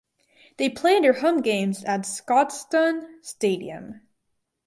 They play their home games at Scotstoun Stadium.